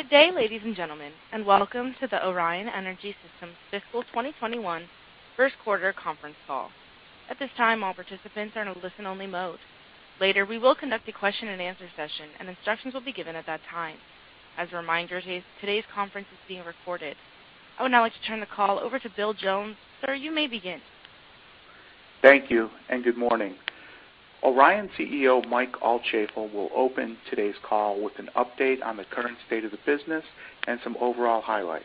Good day, ladies and gentlemen, and welcome to the Orion Energy Systems Fiscal 2021 Q1 Conference Call. At this time, all participants are in a listen-only mode. Later, we will conduct a question-and-answer session, and instructions will be given at that time. As a reminder, today's conference is being recorded. I would now like to turn the call over to Bill Jones. Sir, you may begin. Thank you, and good morning. Orion CEO Mike Altschaefl will open today's call with an update on the current state of the business and some overall highlights.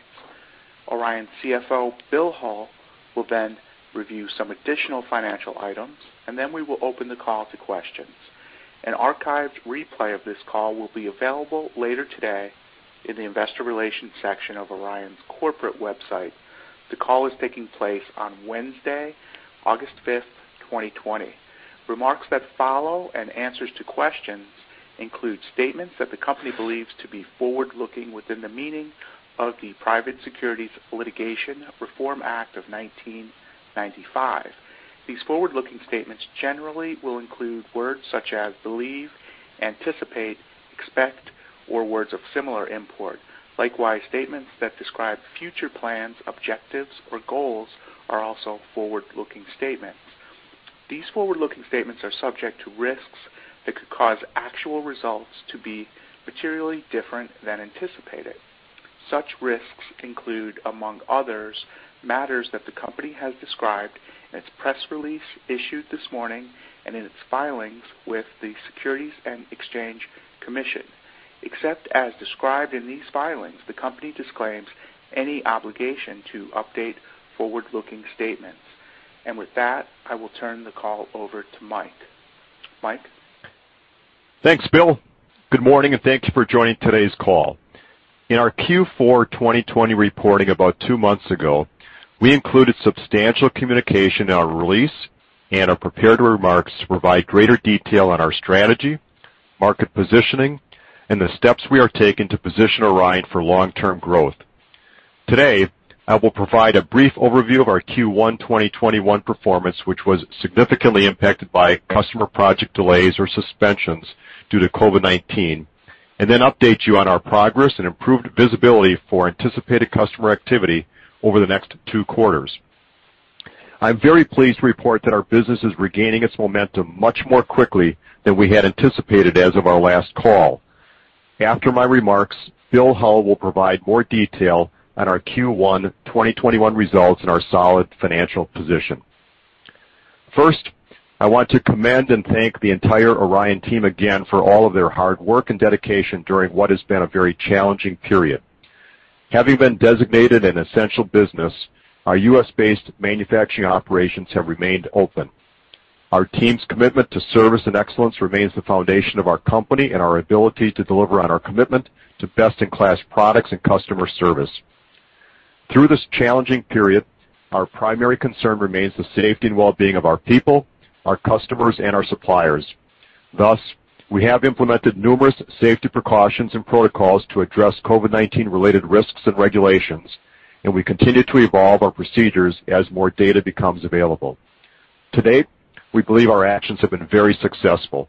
Orion CFO Bill Hull will then review some additional financial items, and then we will open the call all to questions. An archived replay of this call will be available later today in the investor relations section of Orion's corporate website. The call is taking place on Wednesday, August 5th, 2020. Remarks that follow and answers to questions include statements that the company believes to be forward-looking within the meaning of the Private Securities Litigation Reform Act of 1995. These forward-looking statements generally will include words such as believe, anticipate, expect, or words of similar import. Likewise, statements that describe future plans, objectives, or goals are also forward-looking statements. These forward-looking statements are subject to risks that could cause actual results to be materially different than anticipated. Such risks include, among others, matters that the company has described in its press release issued this morning and in its filings with the Securities and Exchange Commission. Except as described in these filings, the company disclaims any obligation to update forward-looking statements. And with that, I will turn the call over to Mike. Mike. Thanks, Bill. Good morning, and thank you for joining today's call. In our Q4 2020 reporting about two months ago, we included substantial communication in our release and our prepared remarks to provide greater detail on our strategy, market positioning, and the steps we are taking to position Orion for long-term growth. Today, I will provide a brief overview of our Q1 2021 performance, which was significantly impacted by customer project delays or suspensions due to COVID-19, and then update you on our progress and improved visibility for anticipated customer activity over the next two quarters. I'm very pleased to report that our business is regaining its momentum much more quickly than we had anticipated as of our last call. After my remarks, Bill Hull will provide more detail on our Q1 2021 results and our solid financial position. First, I want to commend and thank the entire Orion team again for all of their hard work and dedication during what has been a very challenging period. Having been designated an essential business, our U.S.-based manufacturing operations have remained open. Our team's commitment to service and excellence remains the foundation of our company and our ability to deliver on our commitment to best-in-class products and customer service. Through this challenging period, our primary concern remains the safety and well-being of our people, our customers, and our suppliers. Thus, we have implemented numerous safety precautions and protocols to address COVID-19-related risks and regulations, and we continue to evolve our procedures as more data becomes available. Today, we believe our actions have been very successful.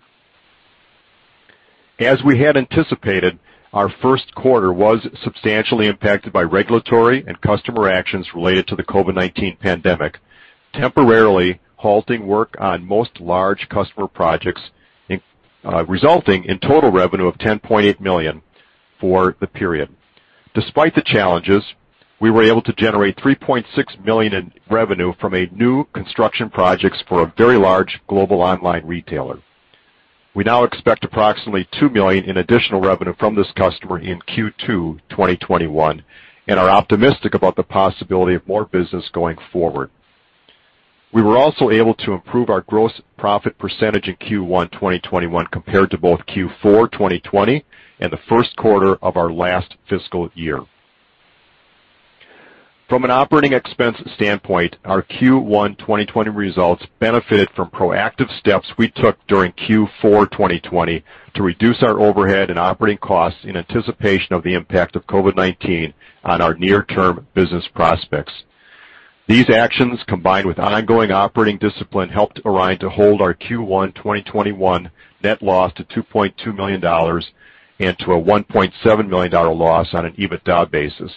As we had anticipated, our Q1 was substantially impacted by regulatory and customer actions related to the COVID-19 pandemic, temporarily halting work on most large customer projects, resulting in total revenue of $10,800,000 for the period. Despite the challenges, we were able to generate $3,600,000 in revenue from a new construction project for a very large global online retailer. We now expect approximately $2,000,000 in additional revenue from this customer in Q2 2021, and are optimistic about the possibility of more business going forward. We were also able to improve our gross profit percentage in Q1 2021 compared to both Q4 2020 and the Q1 of our last fiscal year. From an operating expense standpoint, our Q1 2020 results benefited from proactive steps we took during Q4 2020 to reduce our overhead and operating costs in anticipation of the impact of COVID-19 on our near-term business prospects. These actions, combined with ongoing operating discipline, helped Orion to hold our Q1 2021 net loss to $2,200,000 and to a $1,700,000 loss on an EBITDA basis.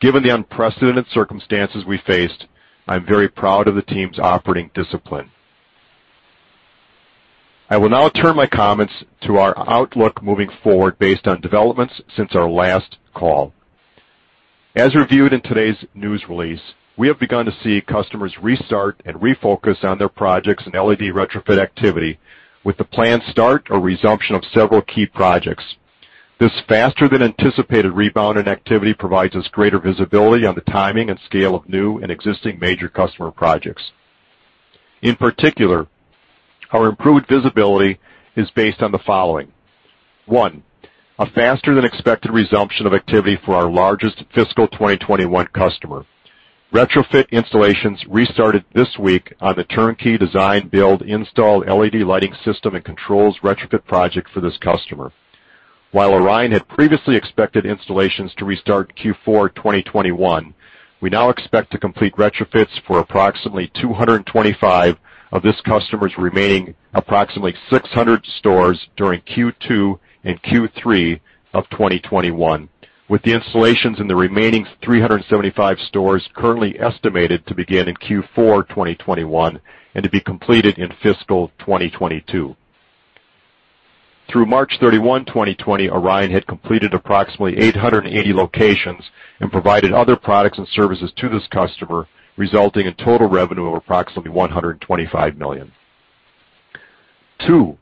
Given the unprecedented circumstances we faced, I'm very proud of the team's operating discipline. I will now turn my comments to our outlook moving forward based on developments since our last call. As reviewed in today's news release, we have begun to see customers restart and refocus on their projects and LED retrofit activity with the planned start or resumption of several key projects. This faster-than-anticipated rebound in activity provides us greater visibility on the timing and scale of new and existing major customer projects. In particular, our improved visibility is based on the following: One, a faster-than-expected resumption of activity for our largest Fiscal 2021 customer. Retrofit installations restarted this week on the turnkey design, build, install LED lighting system and controls retrofit project for this customer. While Orion had previously expected installations to restart Q4 2021, we now expect to complete retrofit for approximately 225 of this customer's remaining approximately 600 stores during Q2 and Q3 of 2021, with the installations in the remaining 375 stores currently estimated to begin in Q4 2021 and to be completed in Fiscal 2022. Through March 31, 2020, Orion had completed approximately 880 locations and provided other products and services to this customer, resulting in total revenue of approximately $125,000,000.Two,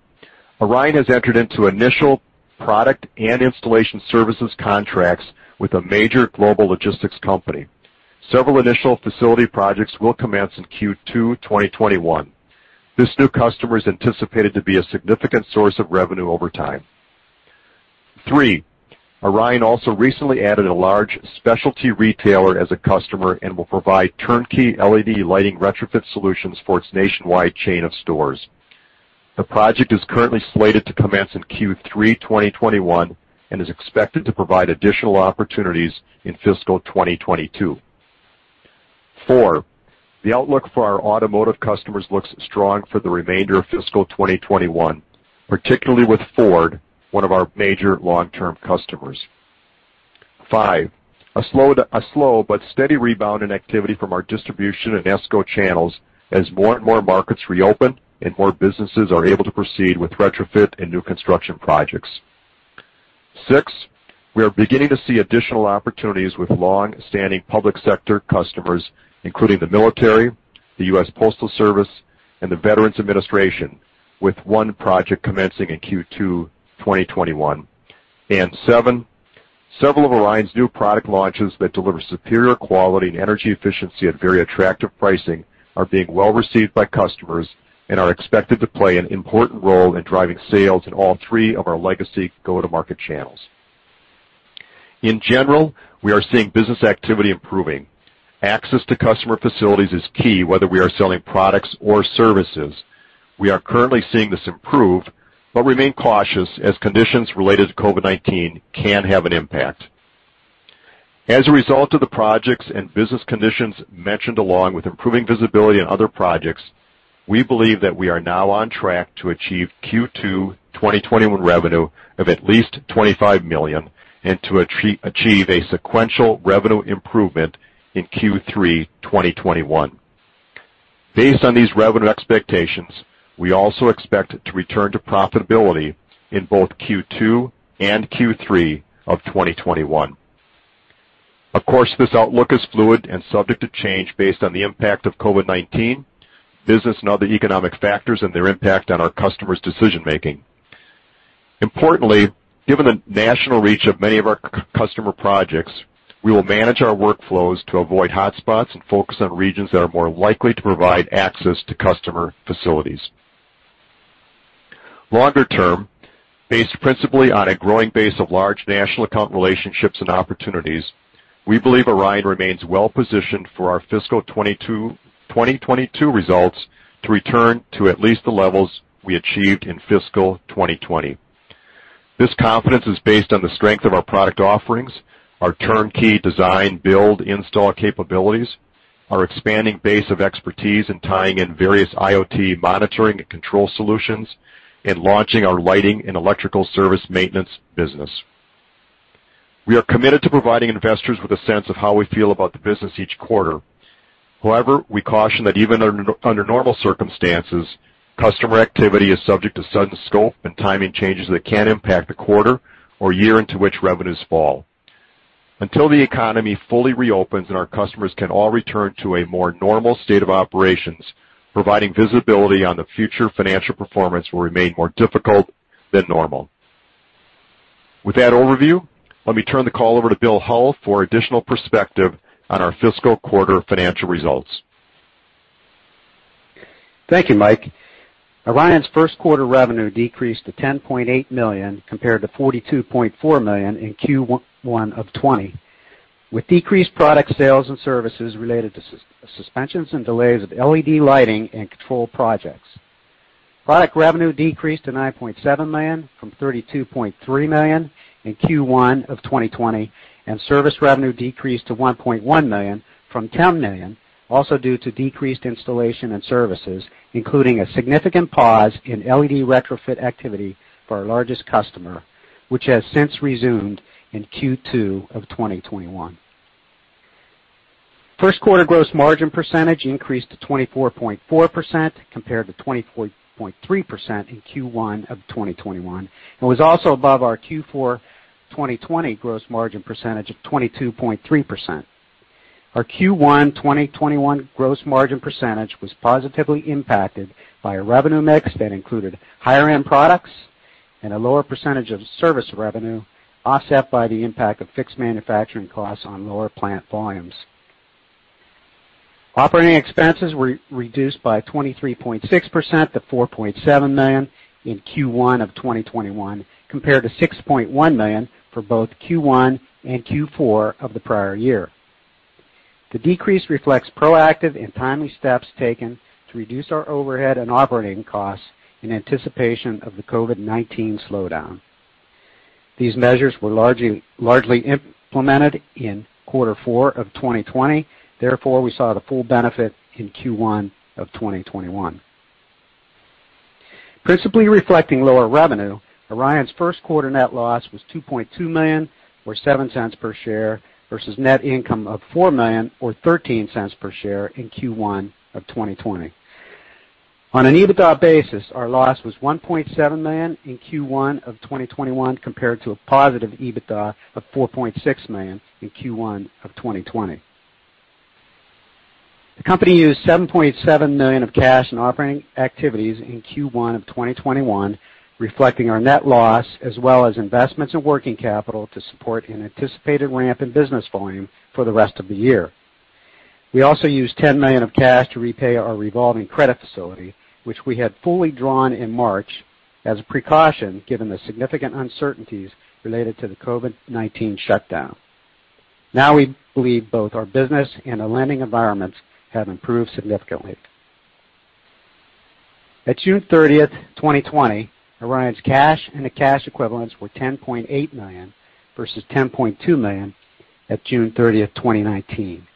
Orion has entered into initial product and installation services contracts with a major global logistics company. Several initial facility projects will commence in Q2 2021. This new customer is anticipated to be a significant source of revenue over time. Three, Orion also recently added a large specialty retailer as a customer and will provide turnkey LED lighting retrofit solutions for its nationwide chain of stores. The project is currently slated to commence in Q3 2021 and is expected to provide additional opportunities in Fiscal 2022. Four, the outlook for our automotive customers looks strong for the remainder of Fiscal 2021, particularly with Ford, one of our major long-term customers. Five, a slow but steady rebound in activity from our distribution and ESCO channels as more and more markets reopen and more businesses are able to proceed with retrofit and new construction projects. Six, we are beginning to see additional opportunities with long-standing public sector customers, including the military, the U.S. Postal Service, and the Veterans Administration, with one project commencing in Q2 2021, and seven, several of Orion's new product launches that deliver superior quality and energy efficiency at very attractive pricing are being well received by customers and are expected to play an important role in driving sales in all three of our legacy go-to-market channels. In general, we are seeing business activity improving. Access to customer facilities is key, whether we are selling products or services. We are currently seeing this improve, but remain cautious as conditions related to COVID-19 can have an impact. As a result of the projects and business conditions mentioned along with improving visibility on other projects, we believe that we are now on track to achieve Q2 2021 revenue of at least $25,000,000 and to achieve a sequential revenue improvement in Q3 2021. Based on these revenue expectations, we also expect to return to profitability in both Q2 and Q3 of 2021. Of course, this outlook is fluid and subject to change based on the impact of COVID-19, business, and other economic factors and their impact on our customers' decision-making. Importantly, given the national reach of many of our customer projects, we will manage our workflows to avoid hotspots and focus on regions that are more likely to provide access to customer facilities. Longer term, based principally on a growing base of large national account relationships and opportunities, we believe Orion remains well positioned for our Fiscal 2022 results to return to at least the levels we achieved in Fiscal 2020. This confidence is based on the strength of our product offerings, our turnkey design, build, install capabilities, our expanding base of expertise in tying in various IoT monitoring and control solutions, and launching our lighting and electrical service maintenance business. We are committed to providing investors with a sense of how we feel about the business each quarter. However, we caution that even under normal circumstances, customer activity is subject to sudden scope and timing changes that can impact the quarter or year into which revenues fall. Until the economy fully reopens and our customers can all return to a more normal state of operations, providing visibility on the future financial performance will remain more difficult than normal. With that overview, let me turn the call over to Bill Hull for additional perspective on our fiscal quarter financial results. Thank you, Mike. Orion's Q1 revenue decreased to $10,800,000 compared to $42,400,000 in Q1 of 2020, with decreased product sales and services related to suspensions and delays of LED lighting and control projects. Product revenue decreased to $9,700,000 from $32,300,000 in Q1 of 2020, and service revenue decreased to $1,100,000 from $10,000,000, also due to decreased installation and services, including a significant pause in LED retrofit activity for our largest customer, which has since resumed in Q2 of 2021. First quarter gross margin percentage increased to 24.4% compared to 24.3% in Q1 of 2021, and was also above our Q4 2020 gross margin percentage of 22.3%. Our Q1 2021 gross margin percentage was positively impacted by a revenue mix that included higher-end products and a lower percentage of service revenue offset by the impact of fixed manufacturing costs on lower plant volumes. Operating expenses were reduced by 23.6% to $4,700,000 in Q1 of 2021, compared to $6,100,000 for both Q1 and Q4 of the prior year. The decrease reflects proactive and timely steps taken to reduce our overhead and operating costs in anticipation of the COVID-19 slowdown. These measures were largely implemented in Q4 of 2020. Therefore, we saw the full benefit in Q1 of 2021. Principally reflecting lower revenue, Orion's Q1 net loss was $2,200,000, or $0.07 per share, versus net income of $4,000,000, or $0.13 per share, in Q1 of 2020. On an EBITDA basis, our loss was $1,700,000 in Q1 of 2021, compared to a positive EBITDA of $4,600,000 in Q1 of 2020. The company used $7,700,000 of cash in operating activities in Q1 of 2021, reflecting our net loss as well as investments in working capital to support an anticipated ramp in business volume for the rest of the year. We also used $10,000,000 of cash to repay our revolving credit facility, which we had fully drawn in March as a precaution given the significant uncertainties related to the COVID-19 shutdown. Now we believe both our business and our lending environments have improved significantly. At June 30, 2020, Orion's cash and the cash equivalents were $10,800,000 versus $10,200,000 at June 30, 2019.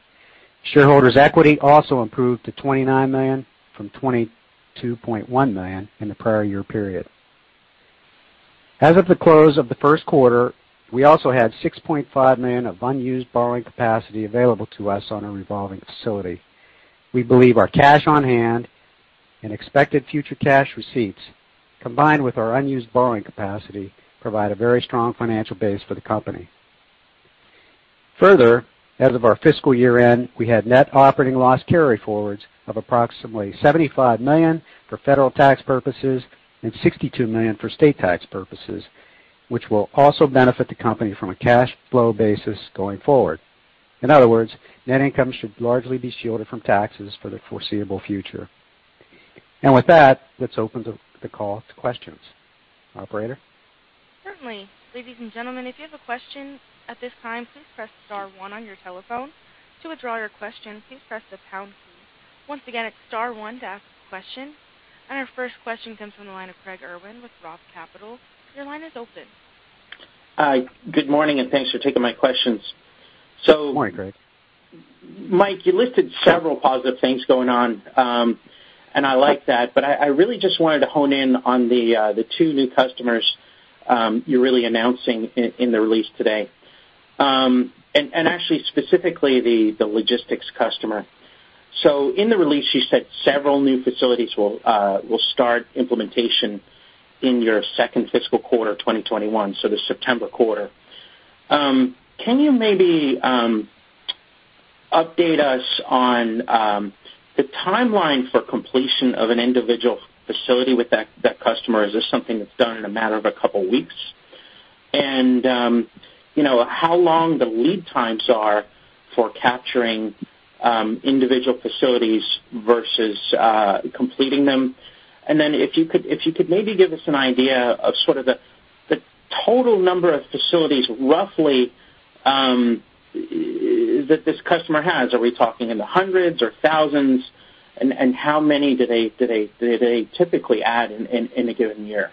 Shareholders' equity also improved to $29,000,000 from $22,100,000 in the prior year period. As of the close of the Q1, we also had $6,500,000 of unused borrowing capacity available to us on our revolving facility. We believe our cash on hand and expected future cash receipts, combined with our unused borrowing capacity, provide a very strong financial base for the company. Further, as of our fiscal year end, we had net operating loss carryforwards of approximately $75,000,000 for federal tax purposes and $62,000,000 for state tax purposes, which will also benefit the company from a cash flow basis going forward. In other words, net income should largely be shielded from taxes for the foreseeable future. And with that, let's open the call to questions. Operator? Certainly. Ladies and gentlemen, if you have a question at this time, please press star one on your telephone. To withdraw your question, please press the pound key. Once again, it's star one to ask a question. And our first question comes from the line of Craig Irwin with Roth Capital. Your line is open. Hi. Good morning, and thanks for taking my questions. Good morning, Craig. Mike, you listed several positive things going on, and I like that, but I really just wanted to hone in on the two new customers you're really announcing in the release today, and actually specifically the logistics customer. So in the release, you said several new facilities will start implementation in your second Fiscal quarter 2021, so the September quarter. Can you maybe update us on the timeline for completion of an individual facility with that customer? Is this something that's done in a matter of a couple of weeks? And how long the lead times are for capturing individual facilities versus completing them? And then if you could maybe give us an idea of sort of the total number of facilities roughly that this customer has. Are we talking in the hundreds or thousands? And how many do they typically add in a given year?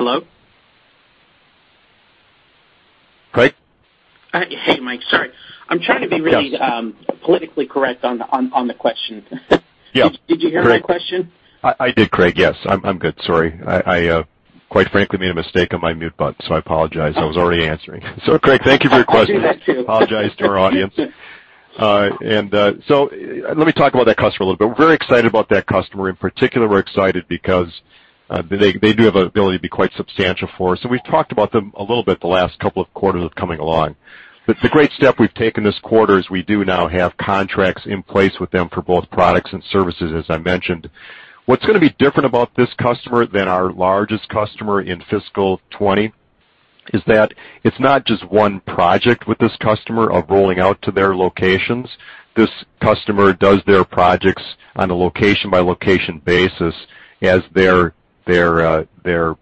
Hello? Craig? Hey, Mike. Sorry. I'm trying to be really politically correct on the question. Yeah. Did you hear my question? I did, Craig. Yes. I'm good. Sorry. I, quite frankly, made a mistake on my mute button, so I apologize. I was already answering, so Craig, thank you for your question. I'll do that too. I apologize to our audience, and so let me talk about that customer a little bit. We're very excited about that customer. In particular, we're excited because they do have an ability to be quite substantial for us, and we've talked about them a little bit the last couple of quarters of coming along, but the great step we've taken this quarter is we do now have contracts in place with them for both products and services, as I mentioned. What's going to be different about this customer than our largest customer in Fiscal 2020 is that it's not just one project with this customer of rolling out to their locations. This customer does their projects on a location-by-location basis as their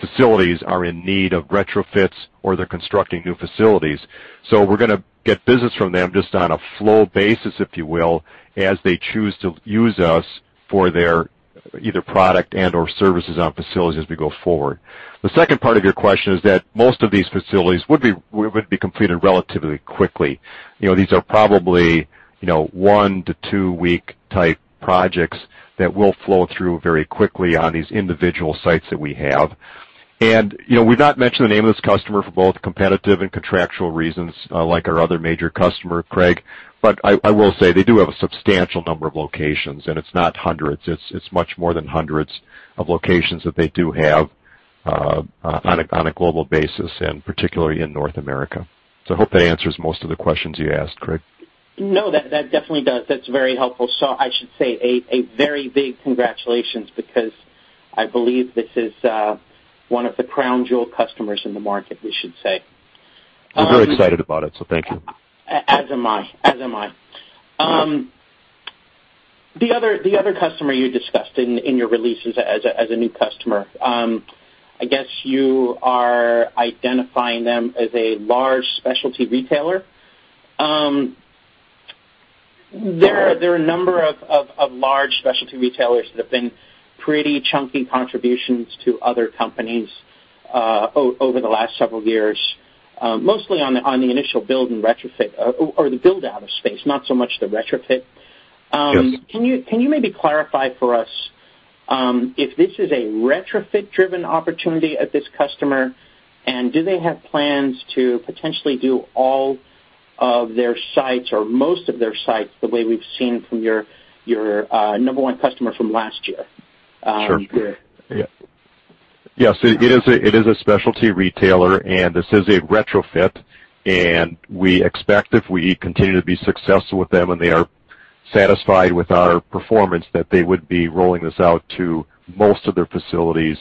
facilities are in need of retrofits or they're constructing new facilities. So we're going to get business from them just on a flow basis, if you will, as they choose to use us for their either product and/or services on facilities as we go forward. The second part of your question is that most of these facilities would be completed relatively quickly. These are probably one- to two-week type projects that will flow through very quickly on these individual sites that we have. And we've not mentioned the name of this customer for both competitive and contractual reasons, like our other major customer, Craig, but I will say they do have a substantial number of locations, and it's not hundreds. It's much more than hundreds of locations that they do have on a global basis, and particularly in North America. So I hope that answers most of the questions you asked, Craig. No, that definitely does. That's very helpful. So I should say a very big congratulations because I believe this is one of the crown jewel customers in the market, we should say. I'm very excited about it, so thank you. As am I. As am I. The other customer you discussed in your release as a new customer, I guess you are identifying them as a large specialty retailer. There are a number of large specialty retailers that have been pretty chunky contributions to other companies over the last several years, mostly on the initial build and retrofit or the build-out of space, not so much the retrofit. Can you maybe clarify for us if this is a retrofit-driven opportunity at this customer, and do they have plans to potentially do all of their sites or most of their sites the way we've seen from your number one customer from last year? Sure. Yeah. Yes. It is a specialty retailer, and this is a retrofit, and we expect if we continue to be successful with them and they are satisfied with our performance, that they would be rolling this out to most of their facilities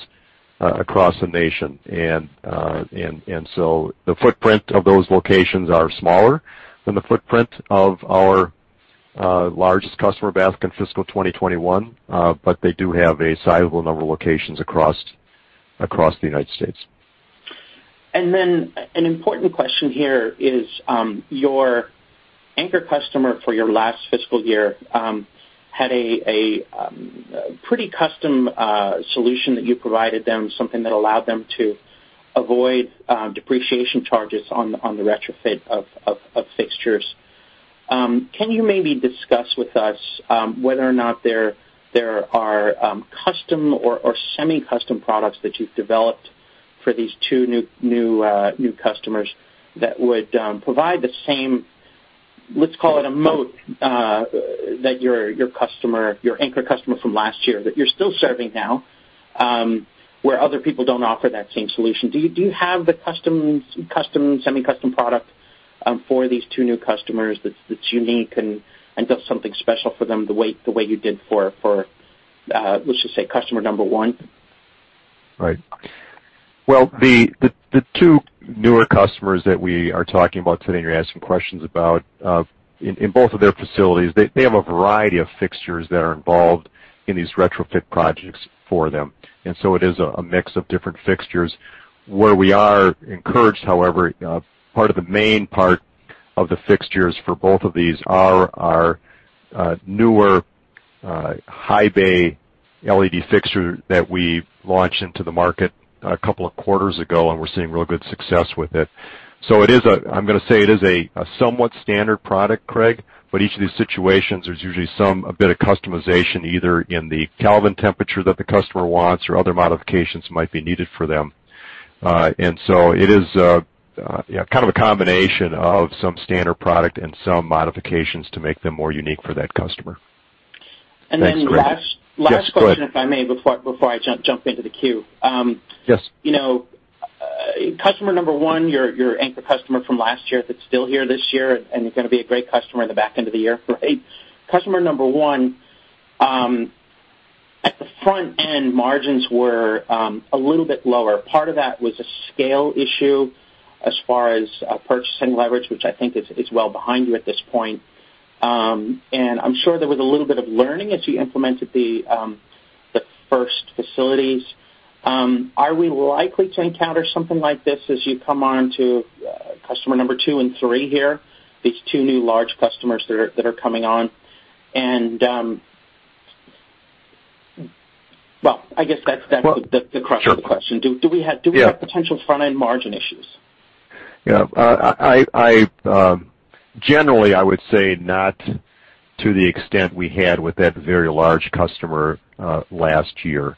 across the nation, and so the footprint of those locations is smaller than the footprint of our largest customer back in Fiscal 2021, but they do have a sizable number of locations across the United States. And then an important question here is your anchor customer for your last fiscal year had a pretty custom solution that you provided them, something that allowed them to avoid depreciation charges on the retrofit of fixtures. Can you maybe discuss with us whether or not there are custom or semi-custom products that you've developed for these two new customers that would provide the same, let's call it a moat, that your anchor customer from last year that you're still serving now, where other people don't offer that same solution? Do you have the custom semi-custom product for these two new customers that's unique and does something special for them the way you did for, let's just say, customer number one? Right. Well, the two newer customers that we are talking about today and you're asking questions about, in both of their facilities, they have a variety of fixtures that are involved in these retrofitprojects for them. And so it is a mix of different fixtures. Where we are encouraged, however, part of the main part of the fixtures for both of these are our newer high-bay LED fixture that we launched into the market a couple of quarters ago, and we're seeing real good success with it. So I'm going to say it is a somewhat standard product, Craig, but each of these situations there's usually a bit of customization, either in the Kelvin temperature that the customer wants or other modifications might be needed for them. And so it is kind of a combination of some standard product and some modifications to make them more unique for that customer. And then last question, if I may, before I jump into the queue. Yes. Customer number one, your anchor customer from last year that's still here this year, and you're going to be a great customer in the back end of the year, right? Customer number one, at the front end, margins were a little bit lower. Part of that was a scale issue as far as purchasing leverage, which I think is well behind you at this point. And I'm sure there was a little bit of learning as you implemented the first facilities. Are we likely to encounter something like this as you come on to customer number two and three here, these two new large customers that are coming on? And, well, I guess that's the crux of the question. Do we have potential front-end margin issues? Yeah. Generally, I would say not to the extent we had with that very large customer last year.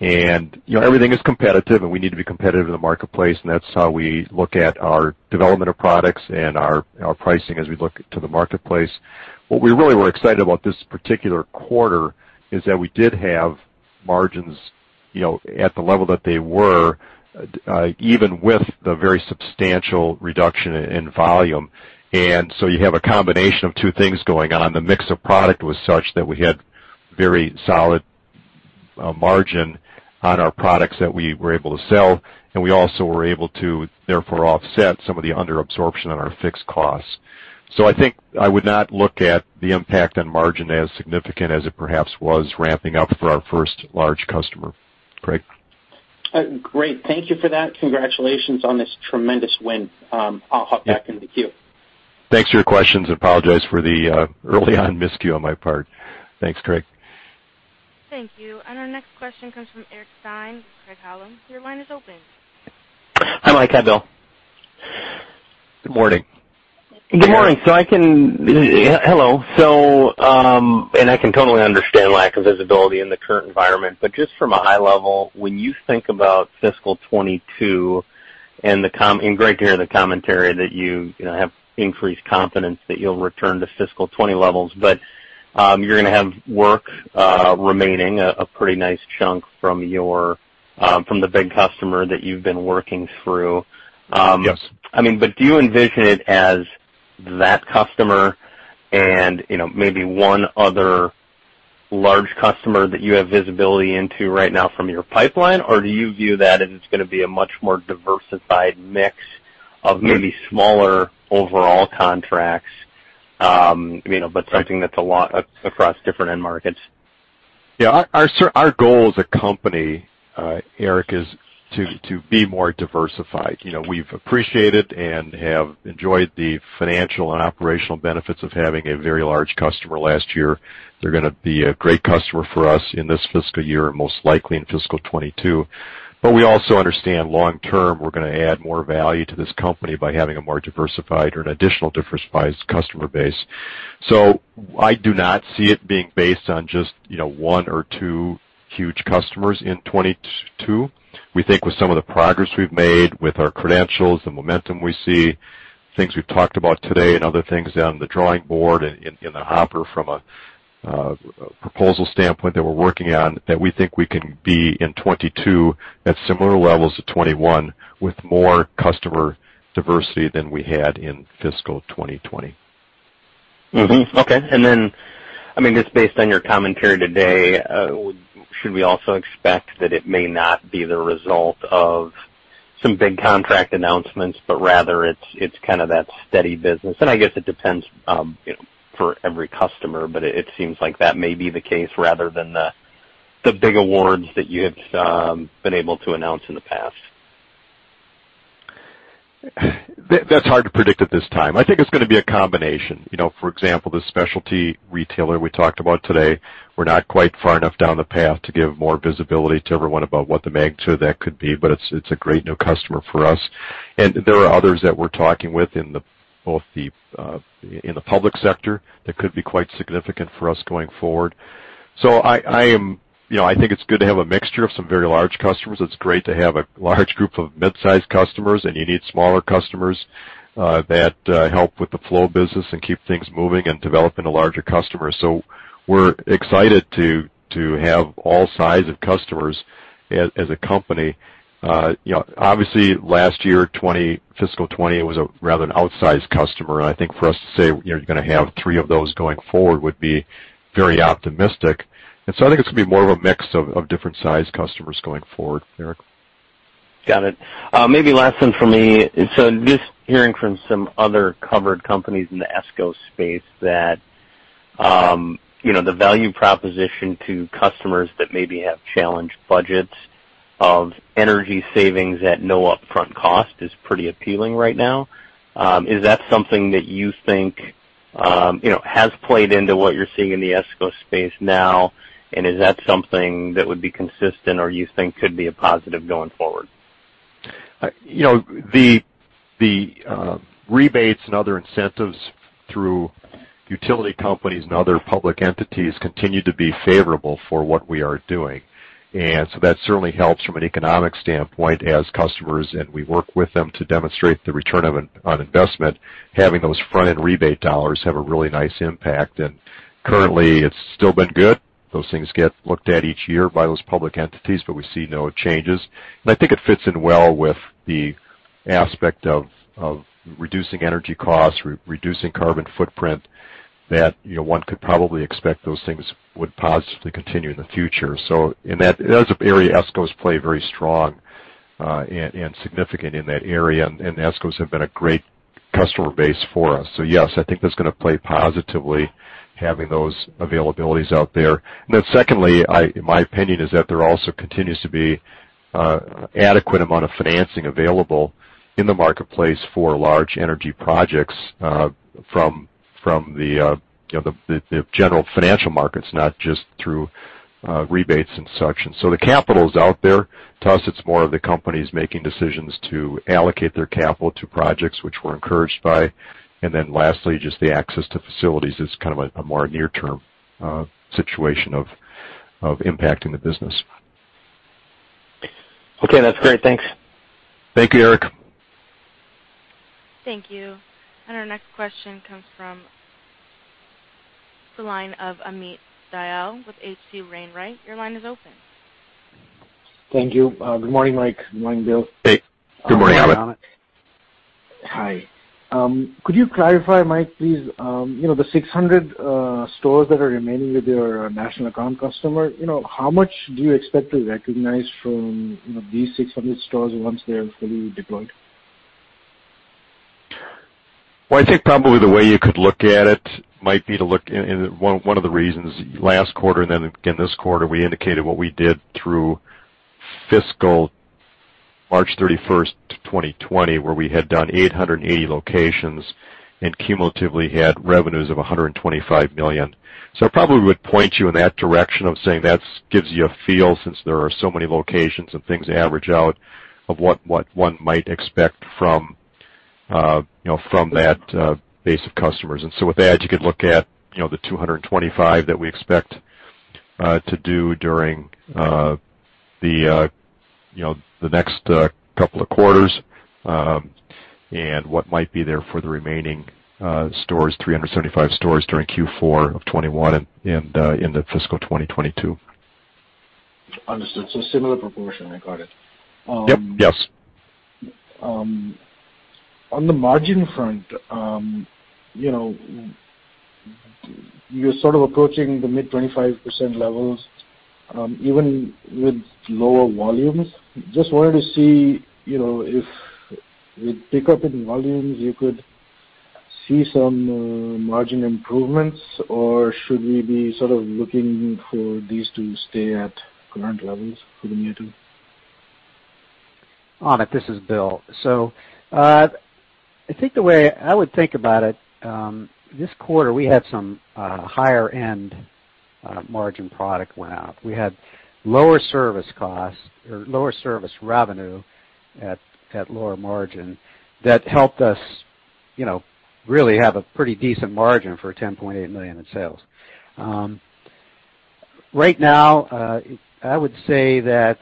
And everything is competitive, and we need to be competitive in the marketplace, and that's how we look at our development of products and our pricing as we look to the marketplace. What we really were excited about this particular quarter is that we did have margins at the level that they were, even with the very substantial reduction in volume. And so you have a combination of two things going on. The mix of product was such that we had very solid margin on our products that we were able to sell, and we also were able to, therefore, offset some of the under-absorption on our fixed costs. So I think I would not look at the impact on margin as significant as it perhaps was ramping up for our first large customer. Craig? Great. Thank you for that. Congratulations on this tremendous win. I'll hop back in the queue. Thanks for your questions. I apologize for the early on miscue on my part. Thanks, Craig. Thank you. And our next question comes from Eric Stine. Craig-Hallum, your line is open. Hi, Mike. How'd it go? Good morning. Good morning. I can totally understand lack of visibility in the current environment, but just from a high level, when you think about Fiscal 2022 and great to hear the commentary that you have increased confidence that you'll return to Fiscal 2020 levels, but you're going to have work remaining a pretty nice chunk from the big customer that you've been working through. Yes. I mean, but do you envision it as that customer and maybe one other large customer that you have visibility into right now from your pipeline, or do you view that as it's going to be a much more diversified mix of maybe smaller overall contracts, but something that's a lot across different end markets? Yeah. Our goal as a company, Eric, is to be more diversified. We've appreciated and have enjoyed the financial and operational benefits of having a very large customer last year. They're going to be a great customer for us in this fiscal year and most likely in Fiscal 2022. But we also understand long-term, we're going to add more value to this company by having a more diversified or an additional diversified customer base. So I do not see it being based on just one or two huge customers in 2022. We think with some of the progress we've made with our credentials, the momentum we see, things we've talked about today, and other things on the drawing board in the hopper from a proposal standpoint that we're working on, that we think we can be in 2022 at similar levels to 2021 with more customer diversity than we had in Fiscal 2020. Okay. And then, I mean, just based on your commentary today, should we also expect that it may not be the result of some big contract announcements, but rather it's kind of that steady business? And I guess it depends for every customer, but it seems like that may be the case rather than the big awards that you have been able to announce in the past. That's hard to predict at this time. I think it's going to be a combination. For example, the specialty retailer we talked about today, we're not quite far enough down the path to give more visibility to everyone about what the magnitude of that could be, but it's a great new customer for us, and there are others that we're talking with in both the public sector that could be quite significant for us going forward, so I think it's good to have a mixture of some very large customers. It's great to have a large group of mid-sized customers, and you need smaller customers that help with the flow of business and keep things moving and developing a larger customer, so we're excited to have all sizes of customers as a company. Obviously, last year, Fiscal 2020, it was rather an outsized customer. And I think for us to say you're going to have three of those going forward would be very optimistic. And so I think it's going to be more of a mix of different sized customers going forward, Eric. Got it. Maybe last one for me. So just hearing from some other covered companies in the ESCO space that the value proposition to customers that maybe have challenged budgets of energy savings at no upfront cost is pretty appealing right now. Is that something that you think has played into what you're seeing in the ESCO space now, and is that something that would be consistent or you think could be a positive going forward? The rebates and other incentives through utility companies and other public entities continue to be favorable for what we are doing. And so that certainly helps from an economic standpoint as customers, and we work with them to demonstrate the return on investment. Having those front-end rebate dollars have a really nice impact. And currently, it's still been good. Those things get looked at each year by those public entities, but we see no changes. And I think it fits in well with the aspect of reducing energy costs, reducing carbon footprint, that one could probably expect those things would positively continue in the future. So in that area of ESCOs play very strong and significant in that area, and ESCOs have been a great customer base for us. So yes, I think that's going to play positively having those availabilities out there. And then secondly, in my opinion, is that there also continues to be an adequate amount of financing available in the marketplace for large energy projects from the general financial markets, not just through rebates and such. And so the capital is out there. To us, it's more of the companies making decisions to allocate their capital to projects, which we're encouraged by. And then lastly, just the access to facilities is kind of a more near-term situation of impacting the business. Okay. That's great. Thanks. Thank you, Eric. Thank you. And our next question comes from the line of Amit Dayal with H.C. Wainwright. Your line is open. Thank you. Good morning, Mike. Good morning, Bill. Hey.Good morning, Amit. Hi. Could you clarify, Mike, please, the 600 stores that are remaining with your national account customer, how much do you expect to recognize from these 600 stores once they're fully deployed? I think probably the way you could look at it might be to look at one of the reasons last quarter and then again this quarter, we indicated what we did through fiscal March 31st, 2020, where we had done 880 locations and cumulatively had revenues of $125,000,000. I probably would point you in that direction of saying that gives you a feel since there are so many locations and things average out of what one might expect from that base of customers. With that, you could look at the 225 that we expect to do during the next couple of quarters and what might be there for the remaining stores, 375 stores during Q4 of 2021 and in the Fiscal 2022. Understood. So similar proportion regarded. Yep. Yes. On the margin front, you're sort of approaching the mid-25% levels even with lower volumes. Just wanted to see if with pickup in volumes, you could see some margin improvements, or should we be sort of looking for these to stay at current levels for the near term? Amit, this is Bill. So I think the way I would think about it, this quarter, we had some higher-end margin product went out. We had lower service costs or lower service revenue at lower margin that helped us really have a pretty decent margin for $10.8 ,000,000 in sales. Right now, I would say that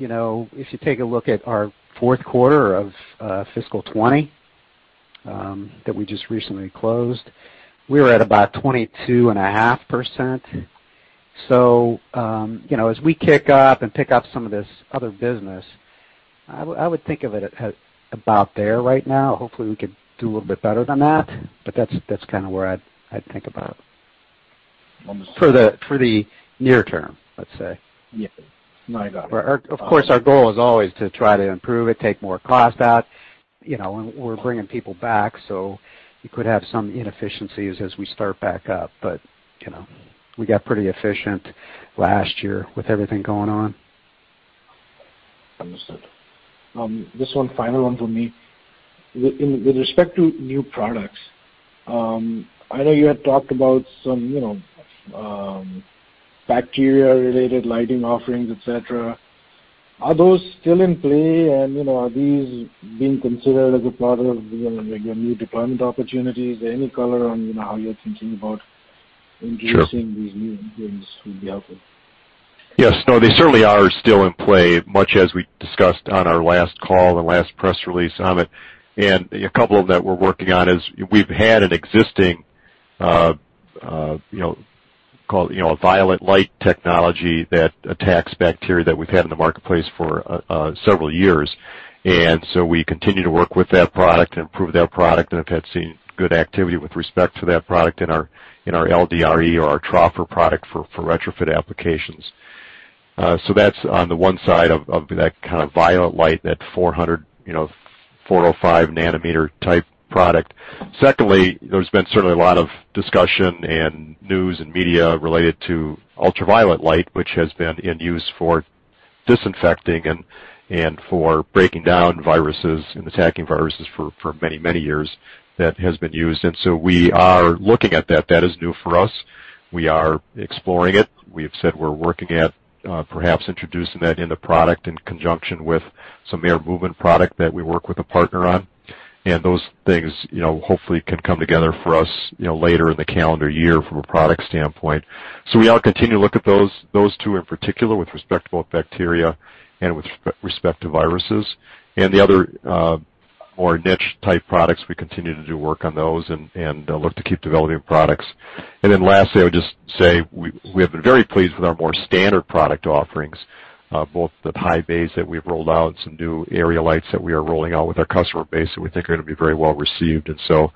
if you take a look at our Q4 of Fiscal 2020 that we just recently closed, we were at about 22.5%. So as we kick up and pick up some of this other business, I would think of it about there right now. Hopefully, we could do a little bit better than that, but that's kind of where I'd think about it for the near term, let's say. Yeah. No, I got it. Of course, our goal is always to try to improve it, take more cost out. We're bringing people back, so you could have some inefficiencies as we start back up, but we got pretty efficient last year with everything going on. Understood. This one final one for me. With respect to new products, I know you had talked about some bacteria-related lighting offerings, etc. Are those still in play, and are these being considered as a part of your new deployment opportunities? Any color on how you're thinking about introducing these new things would be helpful. Yes. No, they certainly are still in play, much as we discussed on our last call and last press release, Amit, and a couple of them that we're working on is we've had an existing called a violet light technology that attacks bacteria that we've had in the marketplace for several years, and so we continue to work with that product and improve that product, and have had seen good activity with respect to that product in our LDR or our troffer product for retrofit applications, so that's on the one side of that kind of violet light, that 405 nanometer type product. Secondly, there's been certainly a lot of discussion and news and media related to ultraviolet light, which has been in use for disinfecting and for breaking down viruses and attacking viruses for many, many years that has been used, and so we are looking at that. That is new for us. We are exploring it. We have said we're working at perhaps introducing that in the product in conjunction with some air movement product that we work with a partner on, and those things hopefully can come together for us later in the calendar year from a product standpoint, so we are continuing to look at those two in particular with respect to both bacteria and with respect to viruses, and the other more niche type products. We continue to do work on those and look to keep developing products, and then lastly, I would just say we have been very pleased with our more standard product offerings, both the high bays that we've rolled out and some new area lights that we are rolling out with our customer base that we think are going to be very well received. And so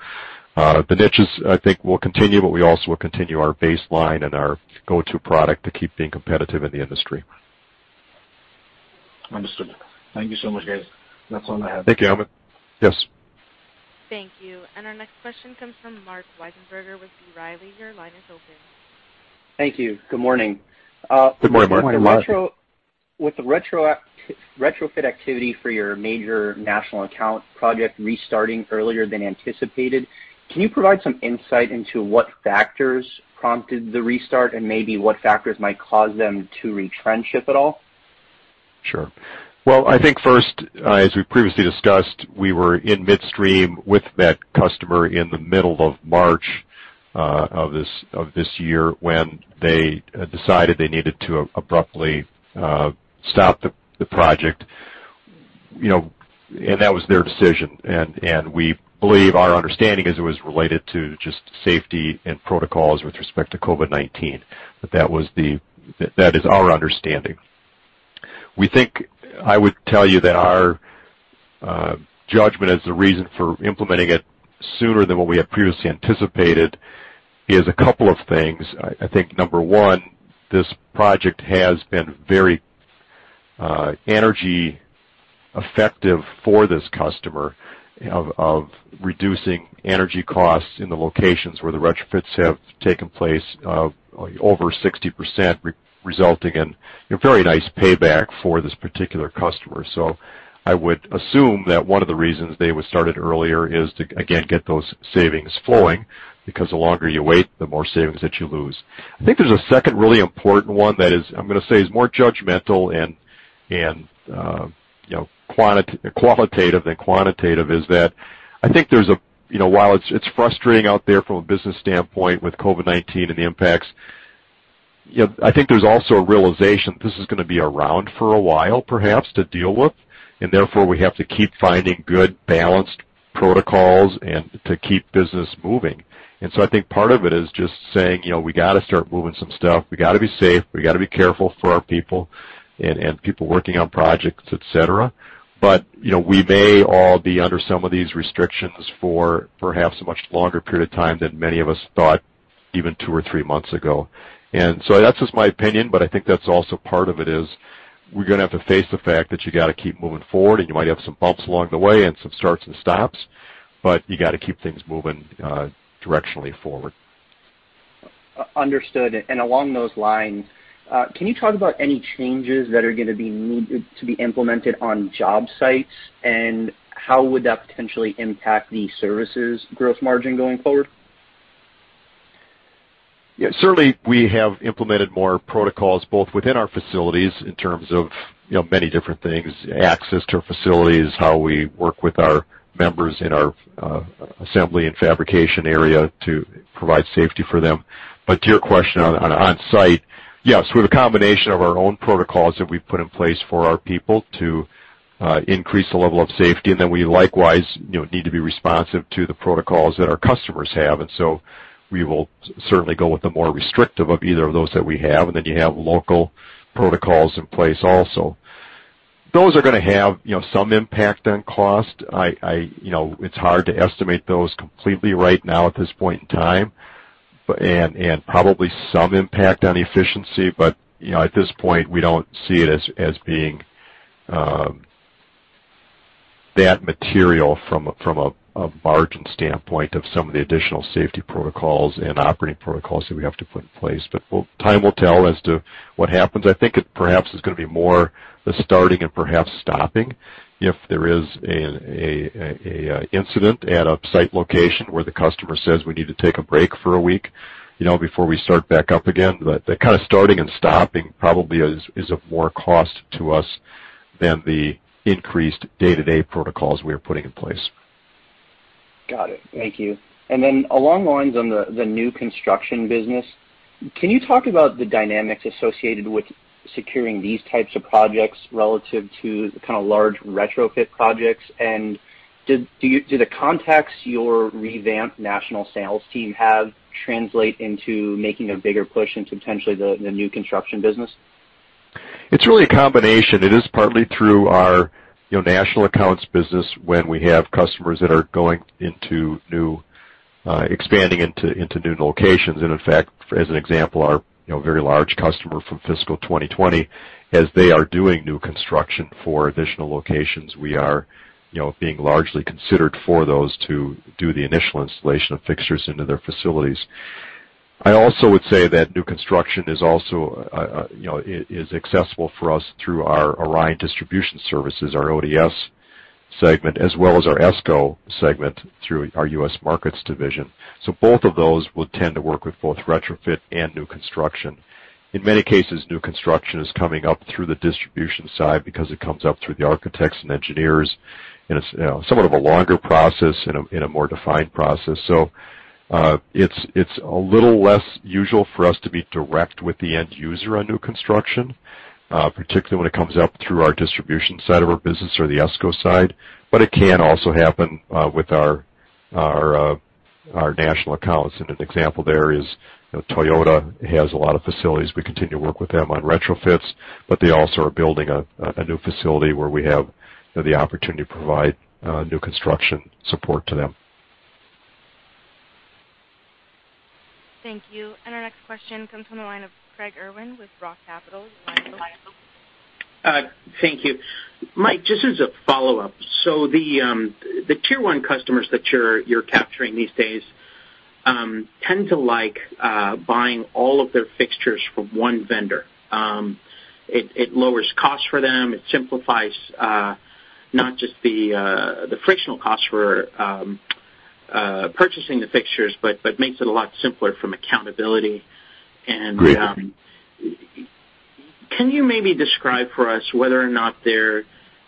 the niches, I think, will continue, but we also will continue our baseline and our go-to product to keep being competitive in the industry. Understood. Thank you so much, guys. That's all I have. Thank you, Amit. Yes. Thank you. And our next question comes from Marc Wiesenberger with B. Riley. Your line is open. Thank you. Good morning. Good morning, Marc. With the retrofit activity for your major national account project restarting earlier than anticipated, can you provide some insight into what factors prompted the restart and maybe what factors might cause them to retrench if at all? Sure. Well, I think first, as we previously discussed, we were in midstream with that customer in the middle of March of this year when they decided they needed to abruptly stop the project. And that was their decision. And we believe our understanding is it was related to just safety and protocols with respect to COVID-19. That is our understanding. We think I would tell you that our judgment as the reason for implementing it sooner than what we had previously anticipated is a couple of things. I think number one, this project has been very energy effective for this customer of reducing energy costs in the locations where the retrofits have taken place over 60%, resulting in very nice payback for this particular customer. So I would assume that one of the reasons they were started earlier is to, again, get those savings flowing because the longer you wait, the more savings that you lose. I think there's a second really important one that is, I'm going to say, is more judgmental and qualitative than quantitative is that I think while it's frustrating out there from a business standpoint with COVID-19 and the impacts, I think there's also a realization that this is going to be around for a while perhaps to deal with, and therefore we have to keep finding good balanced protocols and to keep business moving. And so I think part of it is just saying we got to start moving some stuff. We got to be safe. We got to be careful for our people and people working on projects, etc. But we may all be under some of these restrictions for perhaps a much longer period of time than many of us thought even two or three months ago. And so that's just my opinion, but I think that's also part of it is we're going to have to face the fact that you got to keep moving forward, and you might have some bumps along the way and some starts and stops, but you got to keep things moving directionally forward. Understood. And along those lines, can you talk about any changes that are going to be needed to be implemented on job sites? And how would that potentially impact the services growth margin going forward? Yeah. Certainly, we have implemented more protocols both within our facilities in terms of many different things, access to our facilities, how we work with our members in our assembly and fabrication area to provide safety for them. But to your question on site, yes, we have a combination of our own protocols that we've put in place for our people to increase the level of safety, and then we likewise need to be responsive to the protocols that our customers have. And so we will certainly go with the more restrictive of either of those that we have, and then you have local protocols in place also. Those are going to have some impact on cost. It's hard to estimate those completely right now at this point in time and probably some impact on efficiency, but at this point, we don't see it as being that material from a margin standpoint of some of the additional safety protocols and operating protocols that we have to put in place, but time will tell as to what happens. I think it perhaps is going to be more the starting and perhaps stopping if there is an incident at a site location where the customer says we need to take a break for a week before we start back up again. That kind of starting and stopping probably is of more cost to us than the increased day-to-day protocols we are putting in place. Got it. Thank you. And then along the lines on the new construction business, can you talk about the dynamics associated with securing these types of projects relative to kind of large retrofit projects? And do the contacts your revamped national sales team have translate into making a bigger push into potentially the new construction business? It's really a combination. It is partly through our national accounts business when we have customers that are going into new expanding into new locations. And in fact, as an example, our very large customer from Fiscal 2020, as they are doing new construction for additional locations, we are being largely considered for those to do the initial installation of fixtures into their facilities. I also would say that new construction is also accessible for us through our Orion Distribution Services, our ODS segment, as well as our ESCO segment through our U.S. Markets Division. So both of those will tend to work with both retrofit and new construction. In many cases, new construction is coming up through the distribution side because it comes up through the architects and engineers, and it's somewhat of a longer process and a more defined process. It's a little less usual for us to be direct with the end user on new construction, particularly when it comes up through our distribution side of our business or the ESCO side, but it can also happen with our national accounts. An example there is Toyota has a lot of facilities. We continue to work with them on retrofit, but they also are building a new facility where we have the opportunity to provide new construction support to them. Thank you. Our next question comes from the line of Craig Irwin with Roth Capital. Thank you. Mike, just as a follow-up, so the tier one customers that you're capturing these days tend to like buying all of their fixtures from one vendor. It lowers costs for them. It simplifies not just the frictional costs for purchasing the fixtures, but makes it a lot simpler from accountability. And can you maybe describe for us whether or not there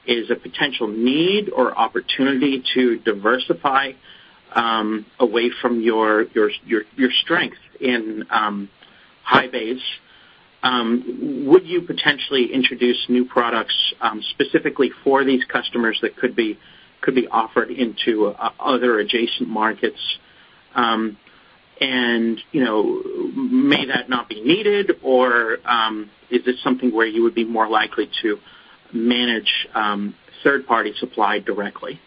is a potential need or opportunity to diversify away from your strength in high bay? Would you potentially introduce new products specifically for these customers that could be offered into other adjacent markets? And may that not be needed, or is it something where you would be more likely to manage third-party supply directly?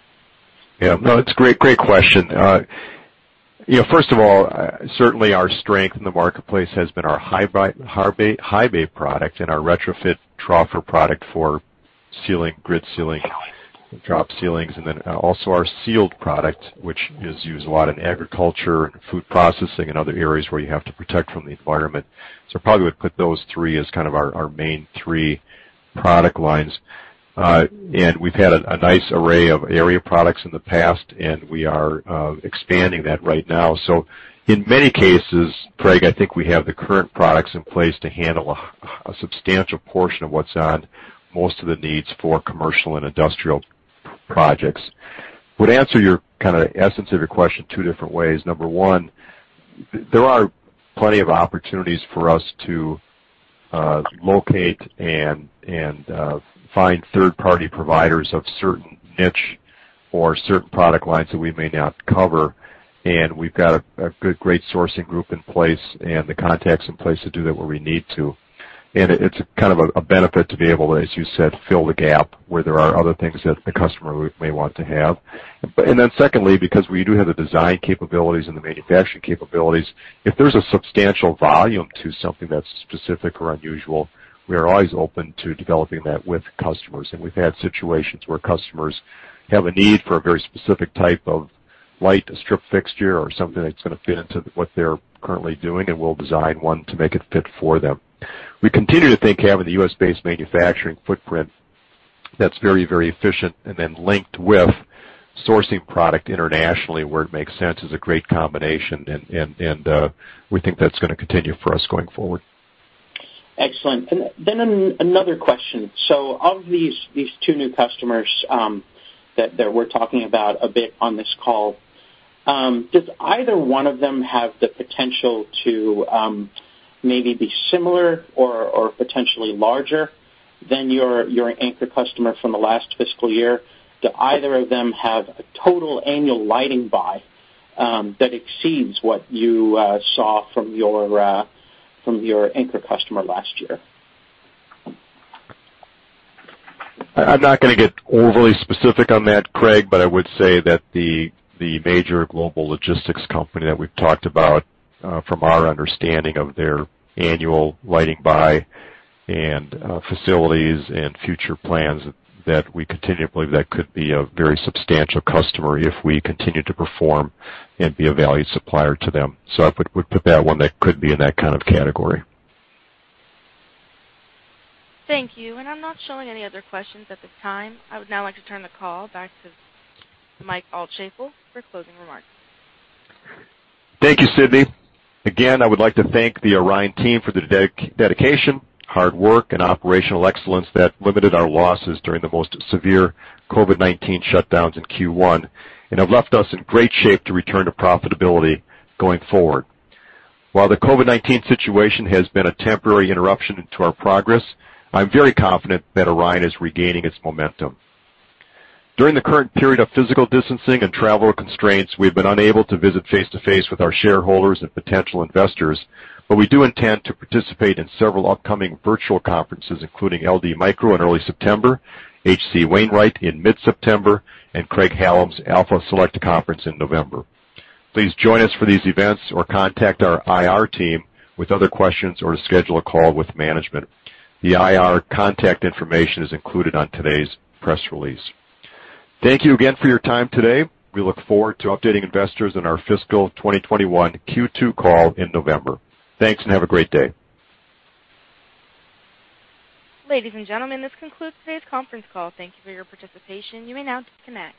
Yeah. No, it's a great question. First of all, certainly our strength in the marketplace has been our high-bay product and our retrofit troffer product for sealing, grid sealing, drop ceilings, and then also our sealed product, which is used a lot in agriculture and food processing and other areas where you have to protect from the environment. So I probably would put those three as kind of our main three product lines. And we've had a nice array of area products in the past, and we are expanding that right now. So in many cases, Craig, I think we have the current products in place to handle a substantial portion of what's on most of the needs for commercial and industrial projects. Would answer your kind of essence of your question two different ways. Number one, there are plenty of opportunities for us to locate and find third-party providers of certain niche or certain product lines that we may not cover. And we've got a good, great sourcing group in place and the contacts in place to do that where we need to. And it's kind of a benefit to be able to, as you said, fill the gap where there are other things that the customer may want to have. And then secondly, because we do have the design capabilities and the manufacturing capabilities, if there's a substantial volume to something that's specific or unusual, we are always open to developing that with customers. And we've had situations where customers have a need for a very specific type of light strip fixture or something that's going to fit into what they're currently doing, and we'll design one to make it fit for them. We continue to think having the US-based manufacturing footprint that's very, very efficient and then linked with sourcing product internationally where it makes sense is a great combination, and we think that's going to continue for us going forward. Excellent, and then another question, so of these two new customers that we're talking about a bit on this call, does either one of them have the potential to maybe be similar or potentially larger than your anchor customer from the last fiscal year? Do either of them have a total annual lighting buy that exceeds what you saw from your anchor customer last year? I'm not going to get overly specific on that, Craig, but I would say that the major global logistics company that we've talked about from our understanding of their annual lighting buy and facilities and future plans that we continue to believe that could be a very substantial customer if we continue to perform and be a valued supplier to them. So I would put that one that could be in that kind of category. Thank you. And I'm not showing any other questions at this time. I would now like to turn the call back to Mike Altschaefl for closing remarks. Thank you, Sydney. Again, I would like to thank the Orion team for the dedication, hard work, and operational excellence that limited our losses during the most severe COVID-19 shutdowns in Q1 and have left us in great shape to return to profitability going forward. While the COVID-19 situation has been a temporary interruption to our progress, I'm very confident that Orion is regaining its momentum. During the current period of physical distancing and travel constraints, we've been unable to visit face-to-face with our shareholders and potential investors, but we do intend to participate in several upcoming virtual Conferences, including LD Micro in early September, H.C. Wainwright in mid-September, and Craig-Hallum's Alpha Select Conference in November. Please join us for these events or contact our IR team with other questions or to schedule a call with management. The IR contact information is included on today's press release. Thank you again for your time today. We look forward to updating investors in our Fiscal 2021 Q2 call in November. Thanks and have a great day. Ladies and gentlemen, this concludes today's Conference Call. Thank you for your participation. You may now disconnect.